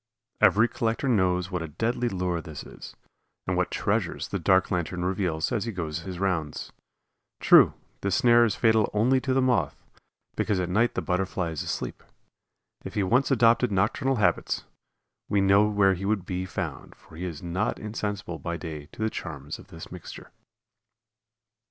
Every collector knows what a deadly lure this is, and what treasures the dark lantern reveals as he goes his rounds. True, this snare is fatal only to the Moth, because at night the Butterfly is asleep. If he once adopted nocturnal habits we know where he would be found, for he is not insensible by day to the charms of this mixture.